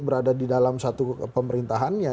berada di dalam satu pemerintahannya